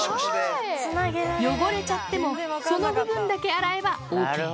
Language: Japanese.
汚れちゃっても、その部分だけ洗えばＯＫ。